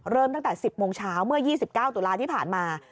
เริ่มตั้งแต่๑๐โมงเช้าเมื่อ๒๙ตุลาที่ผ่านมา